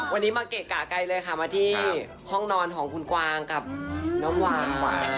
วันนี้มาเกะกะไกลเลยค่ะมาที่ห้องนอนของคุณกวางกับน้ำวาง